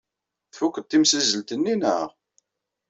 Tfukeḍ timsizzelt-nni, naɣ?